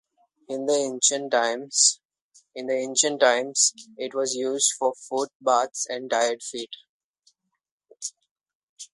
In the ancient times, it was used for foot baths and tired feet.